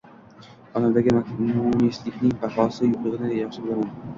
Onamdagi munislikning bahosi yo`qligini yaxshi bilaman